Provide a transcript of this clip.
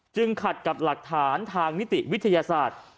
ขัดกับหลักฐานทางนิติวิทยาศาสตร์